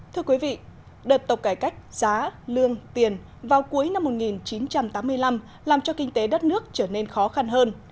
thưa quý vị đợt tộc cải cách giá lương tiền vào cuối năm một nghìn chín trăm tám mươi năm làm cho kinh tế đất nước trở nên khó khăn hơn